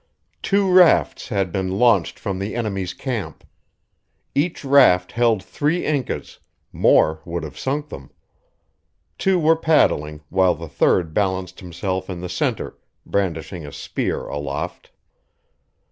Two rafts had been launched from the enemy's camp. Each raft held three Incas more would have sunk them. Two were paddling, while the third balanced himself in the center, brandishing a spear aloft.